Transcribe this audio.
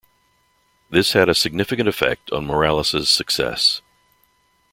This had a significant effect on Morales' success.